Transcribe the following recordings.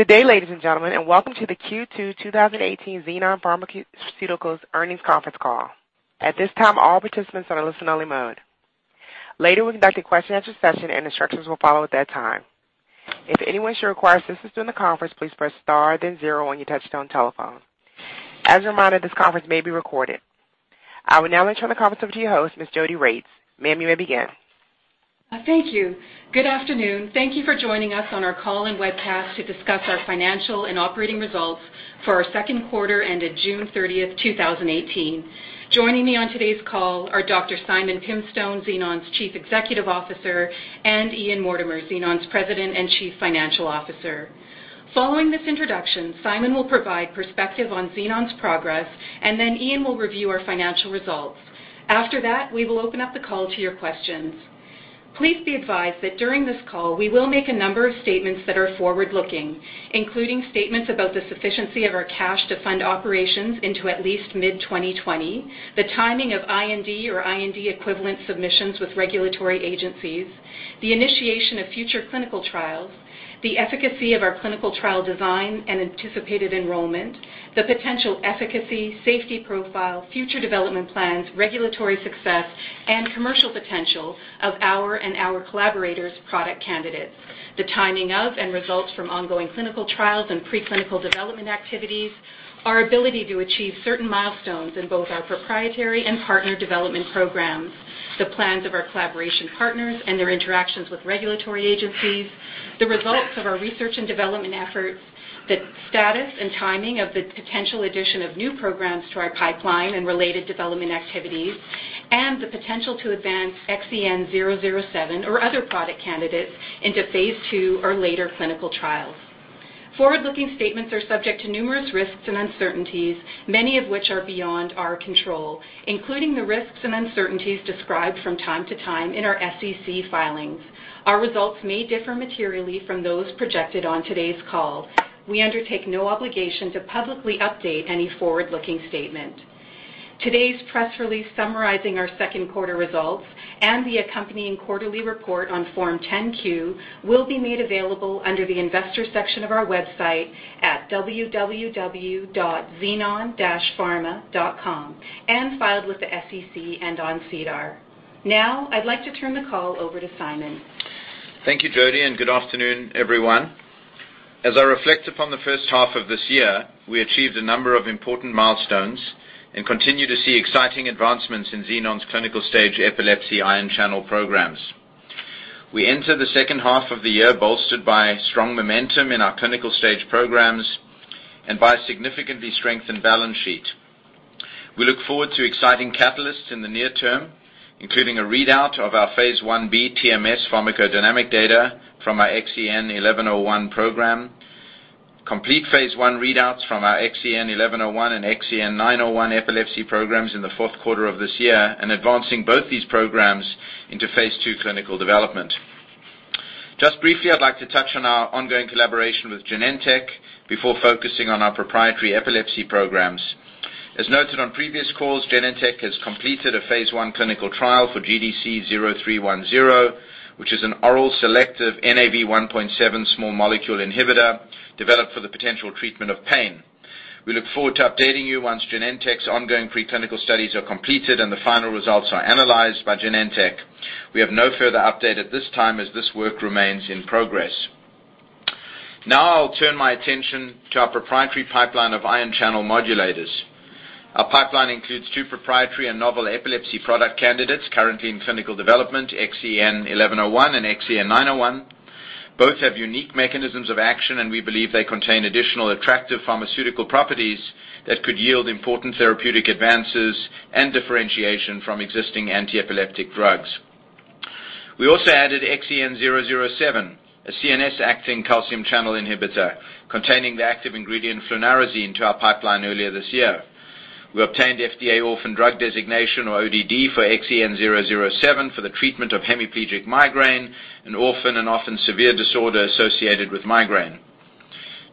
Good day, ladies and gentlemen, and welcome to the Q2 2018 Xenon Pharmaceuticals earnings conference call. At this time, all participants are in listen-only mode. Later, we'll conduct a question-and-answer session, and instructions will follow at that time. If anyone should require assistance during the conference, please press star then zero on your touchtone telephone. As a reminder, this conference may be recorded. I would now like to turn the conference over to your host, Ms. Jodi Regts. Ma'am, you may begin. Thank you. Good afternoon. Thank you for joining us on our call and webcast to discuss our financial and operating results for our second quarter ended June 30th, 2018. Joining me on today's call are Dr. Simon Pimstone, Xenon's Chief Executive Officer, and Ian Mortimer, Xenon's President and Chief Financial Officer. Following this introduction, Simon will provide perspective on Xenon's progress. Then Ian will review our financial results. After that, we will open up the call to your questions. Please be advised that during this call, we will make a number of statements that are forward-looking, including statements about the sufficiency of our cash to fund operations into at least mid-2020, the timing of IND or IND equivalent submissions with regulatory agencies, the initiation of future clinical trials, the efficacy of our clinical trial design and anticipated enrollment, the potential efficacy, safety profile, future development plans, regulatory success, and commercial potential of our and our collaborators' product candidates, the timing of and results from ongoing clinical trials and preclinical development activities, our ability to achieve certain milestones in both our proprietary and partner development programs, the plans of our collaboration partners and their interactions with regulatory agencies, the results of our research and development efforts, the status and timing of the potential addition of new programs to our pipeline and related development activities, and the potential to advance XEN007 or other product candidates into phase II or later clinical trials. Forward-looking statements are subject to numerous risks and uncertainties, many of which are beyond our control, including the risks and uncertainties described from time to time in our SEC filings. Our results may differ materially from those projected on today's call. We undertake no obligation to publicly update any forward-looking statement. Today's press release summarizing our second quarter results and the accompanying quarterly report on Form 10-Q will be made available under the Investors section of our website at www.xenon-pharma.com, and filed with the SEC and on SEDAR. Now, I'd like to turn the call over to Simon. Thank you, Jodi, and good afternoon, everyone. As I reflect upon the first half of this year, we achieved a number of important milestones and continue to see exciting advancements in Xenon's clinical-stage epilepsy ion channel programs. We enter the second half of the year bolstered by strong momentum in our clinical-stage programs and by a significantly strengthened balance sheet. We look forward to exciting catalysts in the near term, including a readout of our phase I-B TMS pharmacodynamic data from our XEN1101 program, complete phase I readouts from our XEN1101 and XEN901 epilepsy programs in the fourth quarter of this year, and advancing both these programs into phase II clinical development. Just briefly, I'd like to touch on our ongoing collaboration with Genentech before focusing on our proprietary epilepsy programs. As noted on previous calls, Genentech has completed a phase I clinical trial for GDC-0310, which is an oral selective Nav1.7 small molecule inhibitor developed for the potential treatment of pain. We look forward to updating you once Genentech's ongoing preclinical studies are completed and the final results are analyzed by Genentech. We have no further update at this time as this work remains in progress. I'll turn my attention to our proprietary pipeline of ion channel modulators. Our pipeline includes two proprietary and novel epilepsy product candidates currently in clinical development, XEN1101 and XEN901. Both have unique mechanisms of action, and we believe they contain additional attractive pharmaceutical properties that could yield important therapeutic advances and differentiation from existing anti-epileptic drugs. We also added XEN007, a CNS-acting calcium channel inhibitor containing the active ingredient flunarizine to our pipeline earlier this year. We obtained FDA Orphan Drug Designation or ODD for XEN007 for the treatment of hemiplegic migraine, an orphan and often severe disorder associated with migraine.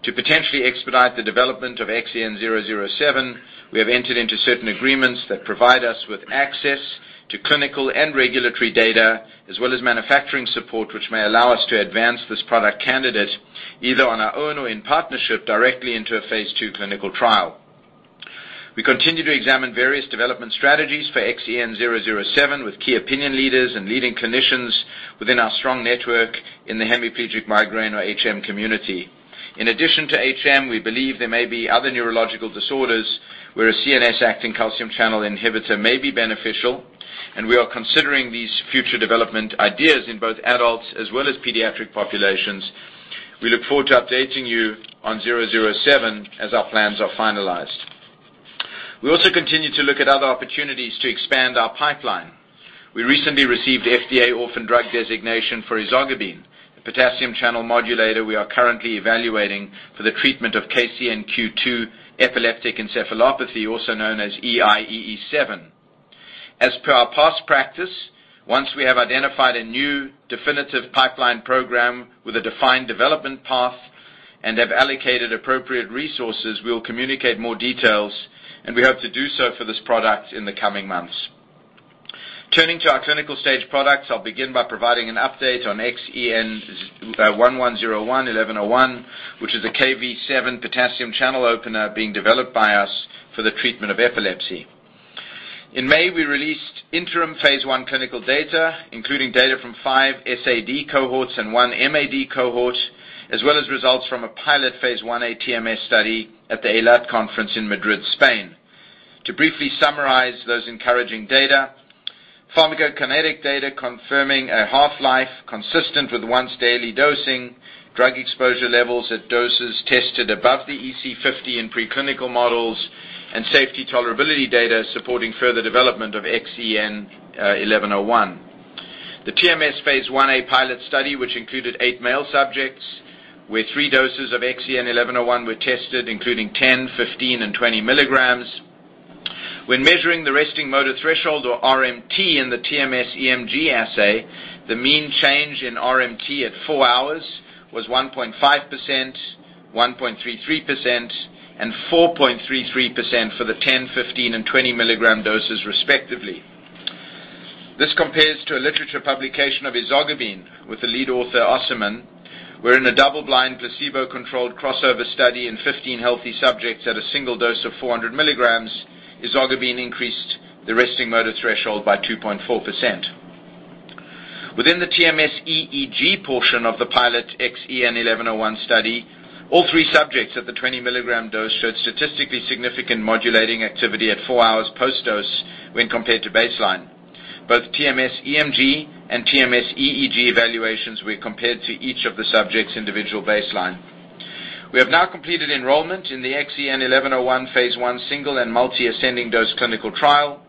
To potentially expedite the development of XEN007, we have entered into certain agreements that provide us with access to clinical and regulatory data, as well as manufacturing support, which may allow us to advance this product candidate either on our own or in partnership directly into a phase II clinical trial. We continue to examine various development strategies for XEN007 with Key Opinion Leaders and leading clinicians within our strong network in the hemiplegic migraine or HM community. In addition to HM, we believe there may be other neurological disorders where a CNS-acting calcium channel inhibitor may be beneficial, and we are considering these future development ideas in both adults as well as pediatric populations. We look forward to updating you on 007 as our plans are finalized. We also continue to look at other opportunities to expand our pipeline. We recently received FDA Orphan Drug Designation for ezogabine, a potassium channel modulator we are currently evaluating for the treatment of KCNQ2 epileptic encephalopathy, also known as EIEE7. As per our past practice, once we have identified a new definitive pipeline program with a defined development path and have allocated appropriate resources, we will communicate more details, and we hope to do so for this product in the coming months. Turning to our clinical stage products, I'll begin by providing an update on XEN1101, 1101, which is a Kv7 potassium channel opener being developed by us for the treatment of epilepsy. In May, we released interim phase I clinical data, including data from five SAD cohorts and one MAD cohort, as well as results from a pilot phase I-A TMS study at the Eilat Conference in Madrid, Spain. To briefly summarize those encouraging data, pharmacokinetic data confirming a half-life consistent with once daily dosing, drug exposure levels at doses tested above the EC50 in preclinical models, and safety tolerability data supporting further development of XEN1101. The TMS phase I-A pilot study, which included eight male subjects, where three doses of XEN1101 were tested, including 10, 15, and 20 milligrams. When measuring the resting motor threshold, or RMT, in the TMS EMG assay, the mean change in RMT at four hours was 1.5%, 1.33%, and 4.33% for the 10, 15, and 20 milligram doses respectively. This compares to a literature publication of ezogabine with the lead author, Osserman, where in a double-blind, placebo-controlled crossover study in 15 healthy subjects at a single dose of 400 milligrams, ezogabine increased the resting motor threshold by 2.4%. Within the TMS EEG portion of the pilot XEN1101 study, all three subjects at the 20 milligram dose showed statistically significant modulating activity at four hours post-dose when compared to baseline. Both TMS EMG and TMS EEG evaluations were compared to each of the subjects' individual baseline. We have now completed enrollment in the XEN1101 phase I single and multi-ascending dose clinical trial,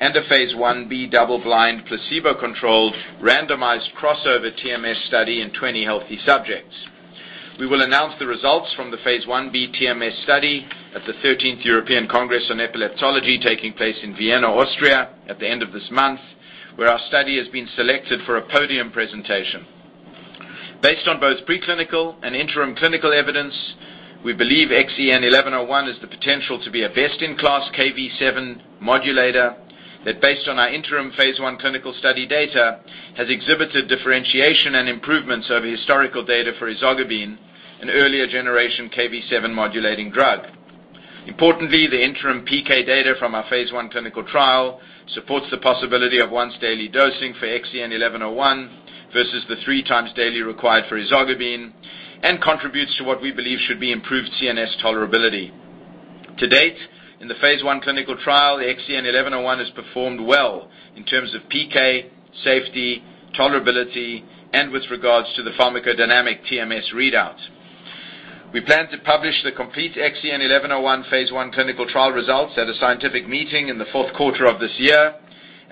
and a phase I-B double-blind, placebo-controlled, randomized crossover TMS study in 20 healthy subjects. We will announce the results from the phase I-B TMS study at the 13th European Congress on Epileptology, taking place in Vienna, Austria, at the end of this month, where our study has been selected for a podium presentation. Based on both preclinical and interim clinical evidence, we believe XEN1101 has the potential to be a best-in-class Kv7 modulator that, based on our interim phase I clinical study data, has exhibited differentiation and improvements over historical data for ezogabine, an earlier generation Kv7 modulating drug. Importantly, the interim PK data from our phase I clinical trial supports the possibility of once daily dosing for XEN1101 versus the three times daily required for ezogabine and contributes to what we believe should be improved CNS tolerability. To date, in the phase I clinical trial, the XEN1101 has performed well in terms of PK, safety, tolerability, and with regards to the pharmacodynamic TMS readouts. We plan to publish the complete XEN1101 phase I clinical trial results at a scientific meeting in the fourth quarter of this year,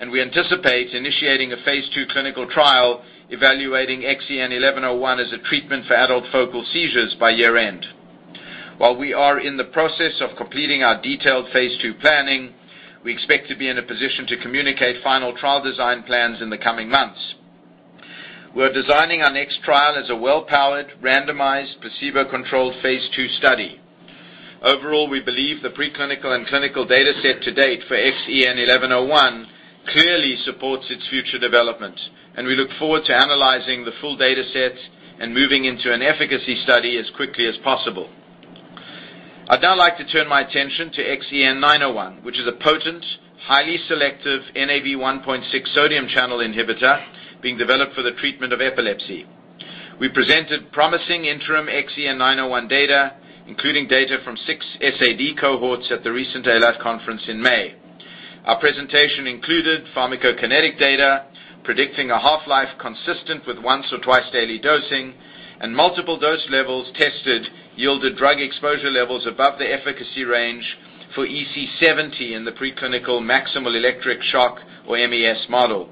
and we anticipate initiating a phase II clinical trial evaluating XEN1101 as a treatment for adult focal seizures by year-end. While we are in the process of completing our detailed phase II planning, we expect to be in a position to communicate final trial design plans in the coming months. We're designing our next trial as a well-powered, randomized, placebo-controlled phase II study. Overall, we believe the preclinical and clinical data set to date for XEN1101 clearly supports its future development, and we look forward to analyzing the full data set and moving into an efficacy study as quickly as possible. I'd now like to turn my attention to XEN901, which is a potent, highly selective NaV1.6 sodium channel inhibitor being developed for the treatment of epilepsy. We presented promising interim XEN901 data, including data from 6 SAD cohorts at the recent Eilat Conference in May. Our presentation included pharmacokinetic data predicting a half-life consistent with once or twice daily dosing, and multiple dose levels tested yielded drug exposure levels above the efficacy range for EC70 in the preclinical maximal electroshock, or MES model.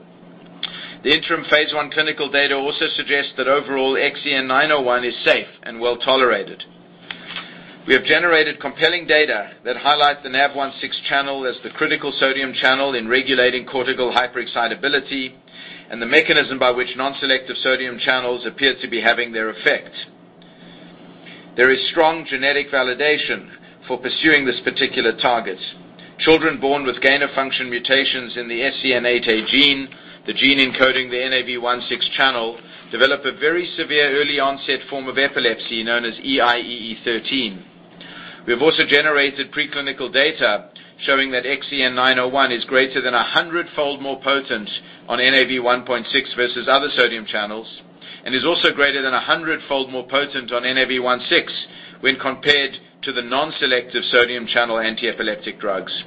The interim phase I clinical data also suggests that overall, XEN901 is safe and well-tolerated. We have generated compelling data that highlight the NaV1.6 channel as the critical sodium channel in regulating cortical hyperexcitability and the mechanism by which non-selective sodium channels appear to be having their effect. There is strong genetic validation for pursuing this particular target. Children born with gain-of-function mutations in the SCN8A gene, the gene encoding the NaV1.6 channel, develop a very severe early onset form of epilepsy known as EIEE13. We've also generated preclinical data showing that XEN901 is greater than 100-fold more potent on NaV1.6 versus other sodium channels and is also greater than 100-fold more potent on NaV1.6 when compared to the non-selective sodium channel antiepileptic drugs.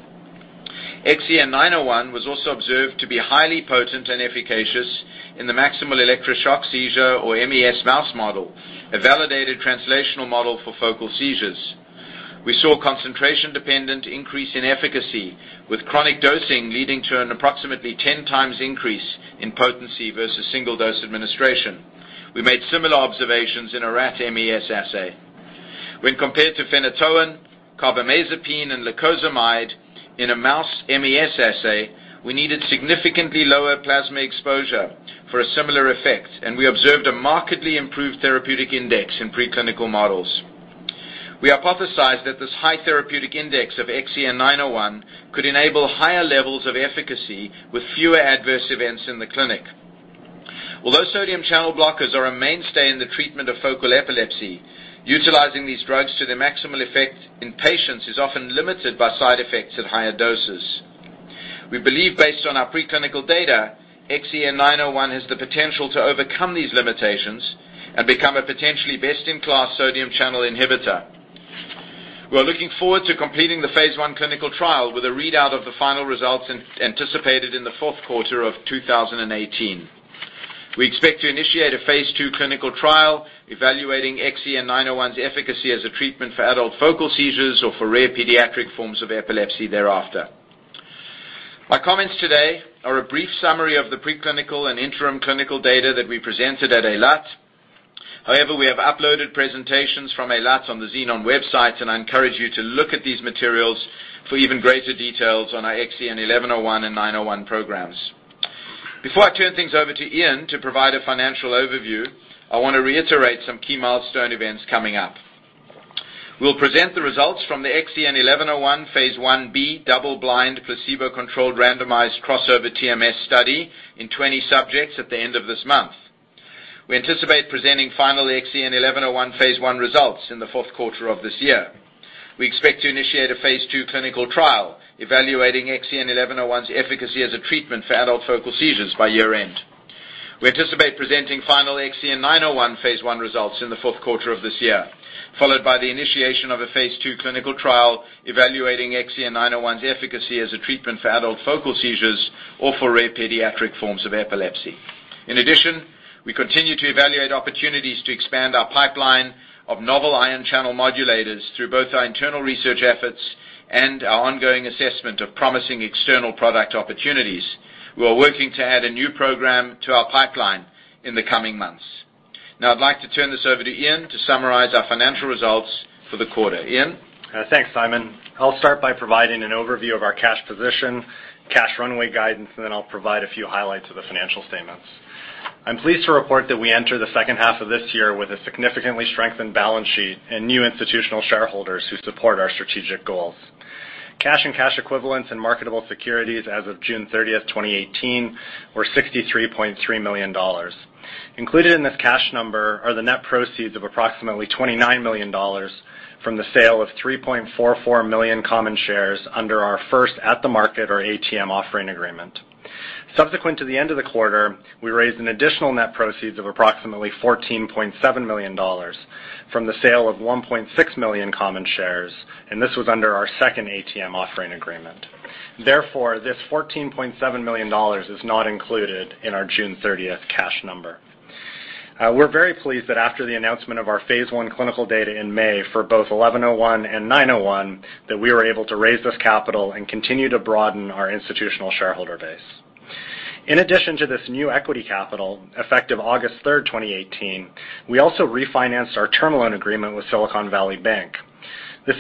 XEN901 was also observed to be highly potent and efficacious in the maximal electroshock seizure, or MES mouse model, a validated translational model for focal seizures. We saw concentration-dependent increase in efficacy, with chronic dosing leading to an approximately 10 times increase in potency versus single dose administration. We made similar observations in a rat MES assay. When compared to phenytoin, carbamazepine, and lacosamide in a mouse MES assay, we needed significantly lower plasma exposure for a similar effect, and we observed a markedly improved therapeutic index in preclinical models. We hypothesized that this high therapeutic index of XEN901 could enable higher levels of efficacy with fewer adverse events in the clinic. Sodium channel blockers are a mainstay in the treatment of focal epilepsy, utilizing these drugs to their maximal effect in patients is often limited by side effects at higher doses. We believe based on our preclinical data, XEN901 has the potential to overcome these limitations and become a potentially best-in-class sodium channel inhibitor. We're looking forward to completing the phase I clinical trial with a readout of the final results anticipated in the fourth quarter of 2018. We expect to initiate a phase II clinical trial evaluating XEN901's efficacy as a treatment for adult focal seizures or for rare pediatric forms of epilepsy thereafter. My comments today are a brief summary of the preclinical and interim clinical data that we presented at Eilat. We have uploaded presentations from Eilat on the Xenon website, and I encourage you to look at these materials for even greater details on our XEN1101 and XEN901 programs. Before I turn things over to Ian to provide a financial overview, I want to reiterate some key milestone events coming up. We'll present the results from the XEN1101 phase I-B double-blind, placebo-controlled, randomized crossover TMS study in 20 subjects at the end of this month. We anticipate presenting final XEN1101 phase I results in the fourth quarter of this year. We expect to initiate a phase II clinical trial evaluating XEN1101's efficacy as a treatment for adult focal seizures by year-end. We anticipate presenting final XEN901 phase I results in the fourth quarter of this year, followed by the initiation of a phase II clinical trial evaluating XEN901's efficacy as a treatment for adult focal seizures or for rare pediatric forms of epilepsy. In addition, we continue to evaluate opportunities to expand our pipeline of novel ion channel modulators through both our internal research efforts and our ongoing assessment of promising external product opportunities. We are working to add a new program to our pipeline in the coming months. Now I'd like to turn this over to Ian to summarize our financial results for the quarter. Ian? Thanks, Simon. I'll start by providing an overview of our cash position, cash runway guidance, and then I'll provide a few highlights of the financial statements. I'm pleased to report that we enter the second half of this year with a significantly strengthened balance sheet and new institutional shareholders who support our strategic goals. Cash and cash equivalents and marketable securities as of June 30th, 2018, were $63.3 million. Included in this cash number are the net proceeds of approximately $29 million from the sale of 3.44 million common shares under our first at-the-market or ATM offering agreement. Subsequent to the end of the quarter, we raised an additional net proceeds of approximately $14.7 million from the sale of 1.6 million common shares, and this was under our second ATM offering agreement. Therefore, this $14.7 million is not included in our June 30th cash number. We're very pleased that after the announcement of our phase I clinical data in May for both 1101 and 901, that we were able to raise this capital and continue to broaden our institutional shareholder base. In addition to this new equity capital, effective August 3rd, 2018, we also refinanced our term loan agreement with Silicon Valley Bank. More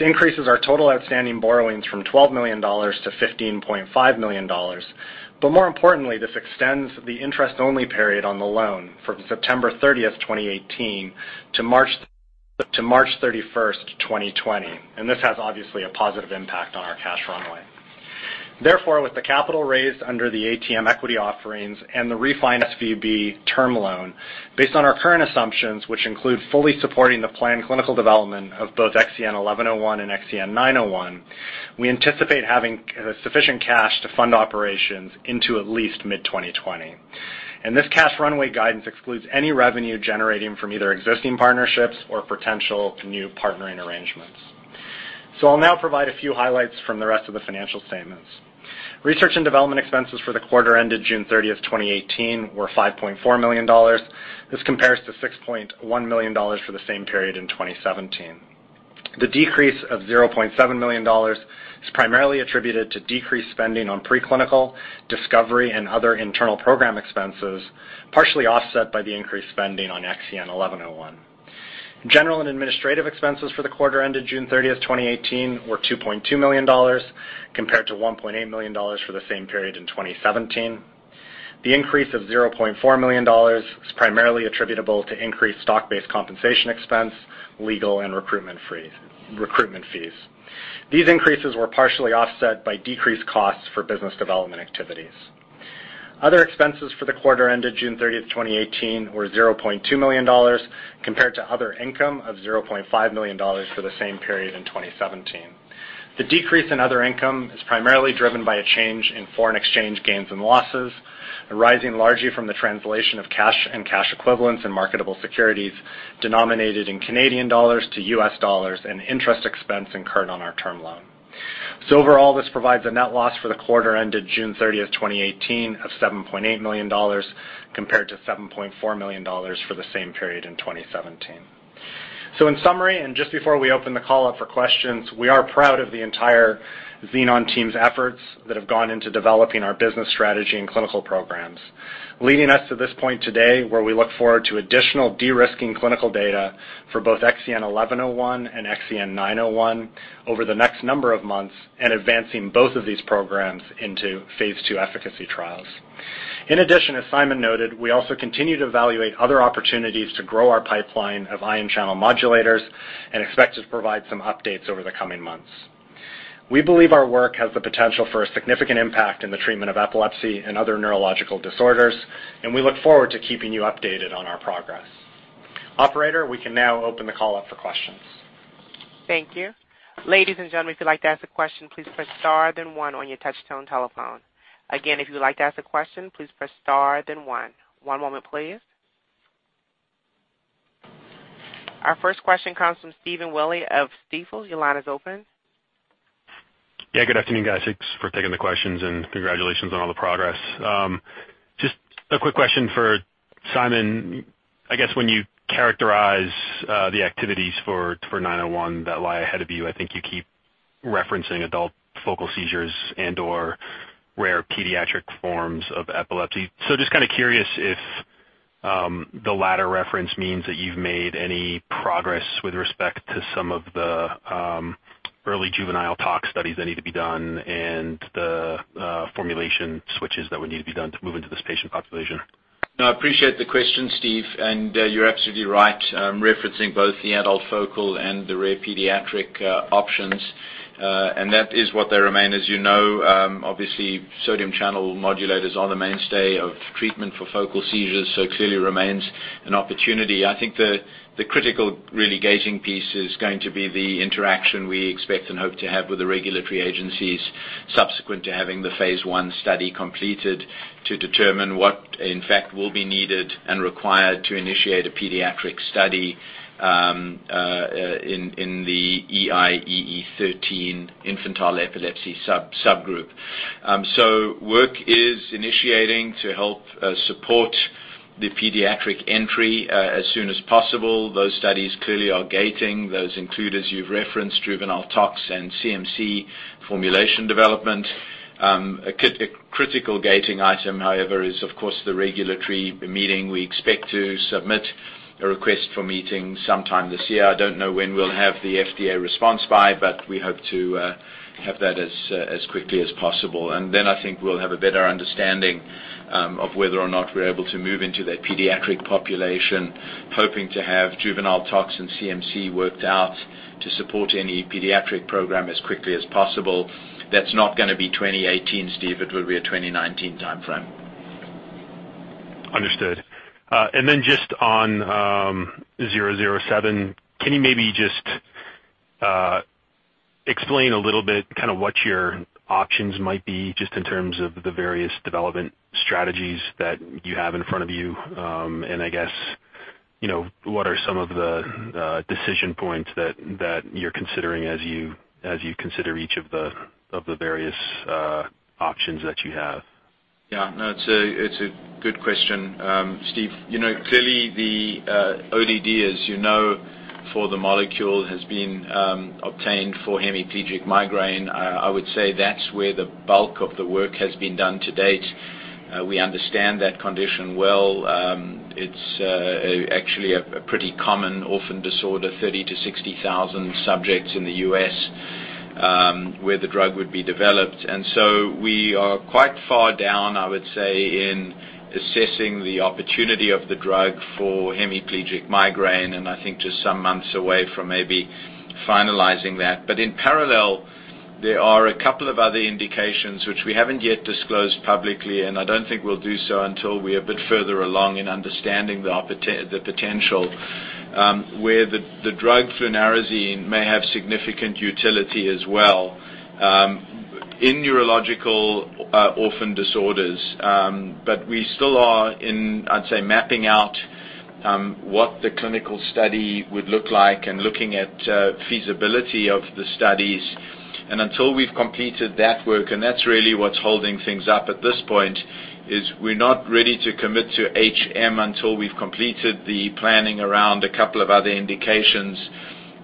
importantly, this extends the interest-only period on the loan from September 30th, 2018, to March 31st, 2020, and this has obviously a positive impact on our cash runway. Therefore, with the capital raised under the ATM equity offerings and the refinanced SVB term loan, based on our current assumptions, which include fully supporting the planned clinical development of both XEN1101 and XEN901, we anticipate having sufficient cash to fund operations into at least mid-2020. This cash runway guidance excludes any revenue generating from either existing partnerships or potential new partnering arrangements. I'll now provide a few highlights from the rest of the financial statements. Research and development expenses for the quarter ended June 30th, 2018, were $5.4 million. This compares to $6.1 million for the same period in 2017. The decrease of $0.7 million is primarily attributed to decreased spending on preclinical discovery and other internal program expenses, partially offset by the increased spending on XEN1101. General and administrative expenses for the quarter ended June 30th, 2018, were $2.2 million compared to $1.8 million for the same period in 2017. The increase of $0.4 million is primarily attributable to increased stock-based compensation expense, legal, and recruitment fees. These increases were partially offset by decreased costs for business development activities. Other expenses for the quarter ended June 30th, 2018, were $0.2 million compared to other income of $0.5 million for the same period in 2017. The decrease in other income is primarily driven by a change in foreign exchange gains and losses, arising largely from the translation of cash and cash equivalents and marketable securities denominated in Canadian dollars to US dollars and interest expense incurred on our term loan. Overall, this provides a net loss for the quarter ended June 30th, 2018, of $7.8 million compared to $7.4 million for the same period in 2017. In summary, and just before we open the call up for questions, we are proud of the entire Xenon team's efforts that have gone into developing our business strategy and clinical programs, leading us to this point today where we look forward to additional de-risking clinical data for both XEN1101 and XEN901 over the next number of months and advancing both of these programs into phase II efficacy trials. In addition, as Simon noted, we also continue to evaluate other opportunities to grow our pipeline of ion channel modulators and expect to provide some updates over the coming months. We believe our work has the potential for a significant impact in the treatment of epilepsy and other neurological disorders, and we look forward to keeping you updated on our progress. Operator, we can now open the call up for questions. Thank you. Ladies and gentlemen, if you'd like to ask a question, please press star then one on your touchtone telephone. Again, if you'd like to ask a question, please press star then one. One moment, please. Our first question comes from Stephen Willey of Stifel. Your line is open. Good afternoon, guys. Thanks for taking the questions and congratulations on all the progress. Just a quick question for Simon. I guess when you characterize the activities for 901 that lie ahead of you, I think you keep referencing adult focal seizures and/or rare pediatric forms of epilepsy. Just curious if the latter reference means that you've made any progress with respect to some of the early juvenile tox studies that need to be done and the formulation switches that would need to be done to move into this patient population. No, I appreciate the question, Steve, and you're absolutely right. I'm referencing both the adult focal and the rare pediatric options. That is what they remain as you know. Obviously, sodium channel modulators are the mainstay of treatment for focal seizures, it clearly remains an opportunity. I think the critical really gating piece is going to be the interaction we expect and hope to have with the regulatory agencies subsequent to having the phase I study completed to determine what in fact will be needed and required to initiate a pediatric study in the EIEE13 infantile epilepsy subgroup. Work is initiating to help support the pediatric entry as soon as possible. Those studies clearly are gating. Those include, as you've referenced, juvenile tox and CMC formulation development. A critical gating item, however, is of course the regulatory meeting. We expect to submit a request for meeting sometime this year. I don't know when we'll have the FDA response by, we hope to have that as quickly as possible. I think we'll have a better understanding of whether or not we're able to move into that pediatric population, hoping to have juvenile tox and CMC worked out to support any pediatric program as quickly as possible. That's not going to be 2018, Steve. It will be a 2019 timeframe. Understood. Just on 007, can you maybe just explain a little bit what your options might be just in terms of the various development strategies that you have in front of you? I guess what are some of the decision points that you're considering as you consider each of the various options that you have? No, it's a good question, Steve. Clearly the ODD, as you know, for the molecule has been obtained for hemiplegic migraine. I would say that's where the bulk of the work has been done to date. We understand that condition well. It's actually a pretty common orphan disorder, 30,000 to 60,000 subjects in the U.S. where the drug would be developed. We are quite far down, I would say, in assessing the opportunity of the drug for hemiplegic migraine, and I think just some months away from maybe finalizing that. In parallel, there are a couple of other indications which we haven't yet disclosed publicly, and I don't think we'll do so until we are a bit further along in understanding the potential, where the drug flunarizine may have significant utility as well in neurological orphan disorders. We still are in, I'd say, mapping out what the clinical study would look like and looking at feasibility of the studies. Until we've completed that work, and that's really what's holding things up at this point, is we're not ready to commit to HM until we've completed the planning around a couple of other indications.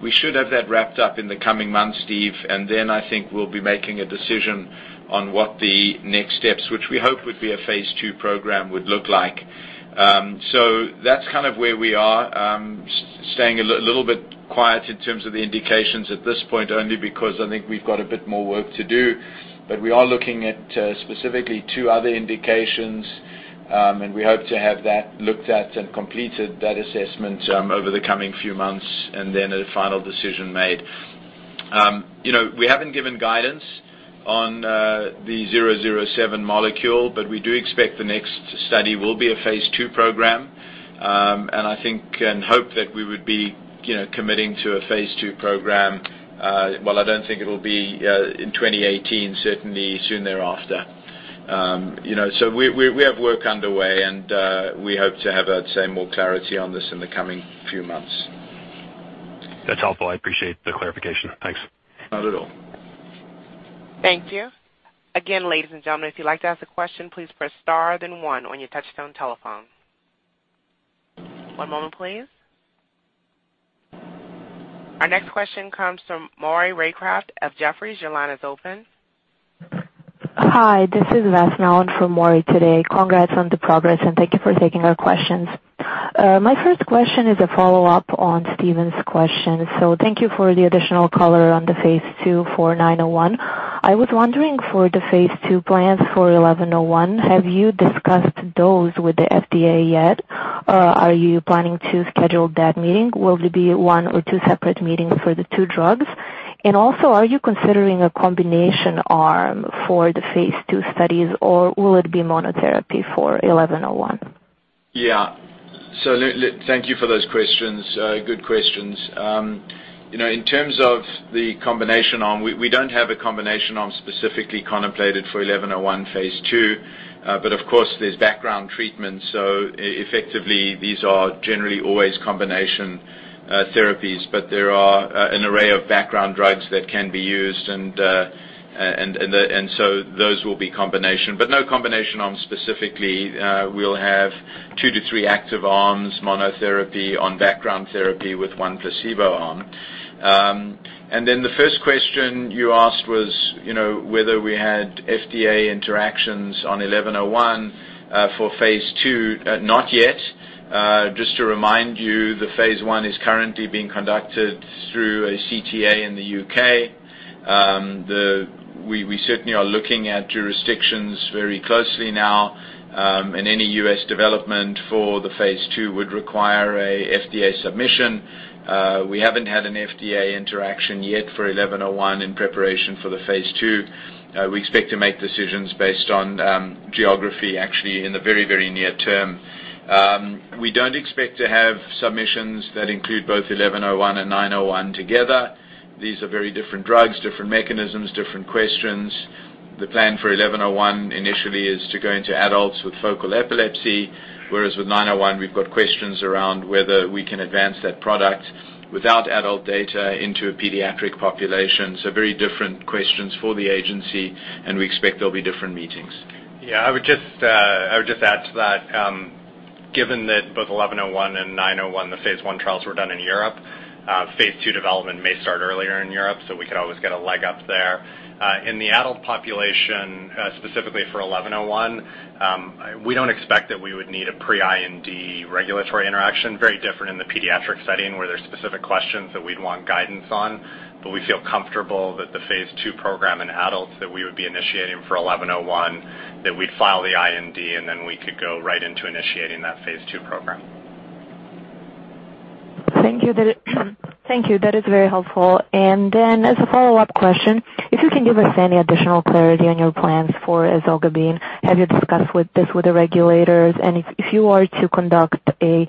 We should have that wrapped up in the coming months, Steve, then I think we'll be making a decision on what the next steps, which we hope would be a phase II program, would look like. That's where we are. Staying a little bit quiet in terms of the indications at this point, only because I think we've got a bit more work to do. We are looking at specifically two other indications, we hope to have that looked at and completed that assessment over the coming few months, and then a final decision made. We haven't given guidance on the 007 molecule, we do expect the next study will be a phase II program. I think and hope that we would be committing to a phase II program, while I don't think it'll be in 2018, certainly soon thereafter. We have work underway and we hope to have, I'd say, more clarity on this in the coming few months. That's helpful. I appreciate the clarification. Thanks. Not at all. Thank you. Again, ladies and gentlemen, if you'd like to ask a question, please press star then one on your touchtone telephone. One moment, please. Our next question comes from Maury Raycroft of Jefferies. Your line is open. Hi. This is Vesna Tosic from Maury today. Congrats on the progress. Thank you for taking our questions. My first question is a follow-up on Stephen's question. Thank you for the additional color on the phase II for 901. I was wondering for the phase II plans for 1101, have you discussed those with the FDA yet? Are you planning to schedule that meeting? Will it be 1 or 2 separate meetings for the 2 drugs? Are you considering a combination arm for the phase II studies, or will it be monotherapy for 1101? Yeah. Thank you for those questions. Good questions. In terms of the combination arm, we don't have a combination arm specifically contemplated for 1101 phase II. Of course, there's background treatment, so effectively these are generally always combination therapies. There are an array of background drugs that can be used, and so those will be combination. No combination arm specifically. We'll have 2 to 3 active arms, monotherapy on background therapy with 1 placebo arm. The first question you asked was whether we had FDA interactions on 1101 for phase II. Not yet. Just to remind you, the phase I is currently being conducted through a CTA in the U.K. We certainly are looking at jurisdictions very closely now, and any U.S. development for the phase II would require a FDA submission. We haven't had an FDA interaction yet for 1101 in preparation for the phase II. We expect to make decisions based on geography actually in the very near term. We don't expect to have submissions that include both 1101 and 901 together. These are very different drugs, different mechanisms, different questions. The plan for 1101 initially is to go into adults with focal epilepsy, whereas with 901, we've got questions around whether we can advance that product without adult data into a pediatric population. Very different questions for the agency, and we expect there'll be different meetings. I would just add to that. Given that both XEN1101 and XEN901, the phase I trials were done in Europe. Phase II development may start earlier in Europe, we could always get a leg up there. In the adult population, specifically for XEN1101, we don't expect that we would need a pre-IND regulatory interaction. Very different in the pediatric setting where there's specific questions that we'd want guidance on. We feel comfortable that the phase II program in adults that we would be initiating for XEN1101, that we'd file the IND, we could go right into initiating that phase II program. Thank you. That is very helpful. As a follow-up question, if you can give us any additional clarity on your plans for ezogabine. Have you discussed this with the regulators? If you are to conduct a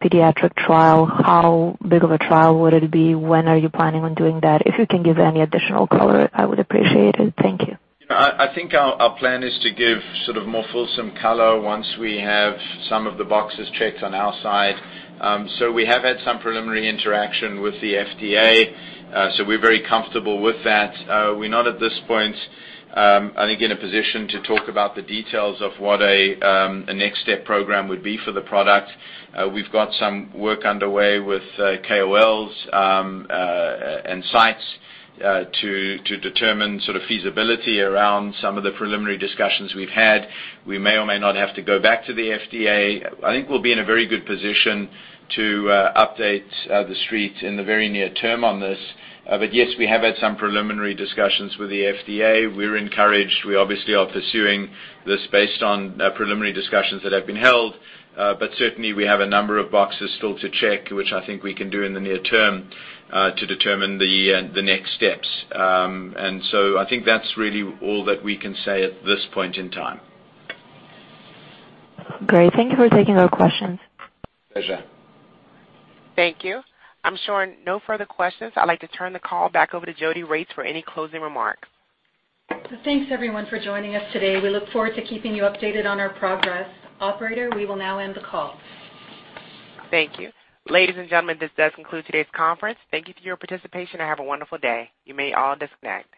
pediatric trial, how big of a trial would it be? When are you planning on doing that? If you can give any additional color, I would appreciate it. Thank you. I think our plan is to give more fulsome color once we have some of the boxes checked on our side. We have had some preliminary interaction with the FDA. We're very comfortable with that. We're not at this point, I think, in a position to talk about the details of what a next step program would be for the product. We've got some work underway with KOLs and sites to determine feasibility around some of the preliminary discussions we've had. We may or may not have to go back to the FDA. I think we'll be in a very good position to update The Street in the very near term on this. Yes, we have had some preliminary discussions with the FDA. We're encouraged. We obviously are pursuing this based on preliminary discussions that have been held. Certainly, we have a number of boxes still to check, which I think we can do in the near term, to determine the next steps. I think that's really all that we can say at this point in time. Great. Thank you for taking our questions. Pleasure. Thank you. I'm showing no further questions. I'd like to turn the call back over to Jodi Regts for any closing remarks. Thanks everyone for joining us today. We look forward to keeping you updated on our progress. Operator, we will now end the call. Thank you. Ladies and gentlemen, this does conclude today's conference. Thank you for your participation and have a wonderful day. You may all disconnect.